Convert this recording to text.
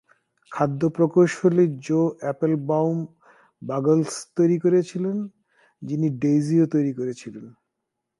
খাদ্য প্রকৌশলী Joe Applebaum bagels তৈরি করেছিলেন, যিনি ডেইজিও তৈরি করেছিলেন।